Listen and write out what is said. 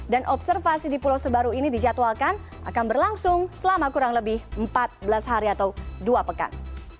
dan observasi di pulau sebaru ini dijadwalkan akan berlangsung selama kurang lebih empat belas hari atau dua pekan